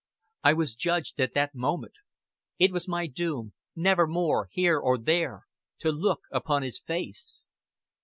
"I was judged at that moment. It was my doom never more, here or there, to look upon His face."